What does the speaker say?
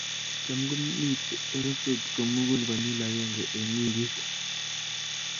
Cham komi taraset komugul konyil agenge eng weekit